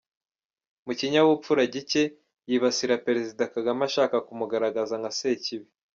Mu kinyabupfura gike, yibasira `Perezida Kagame ashaka kumugaragaza nka sekibi.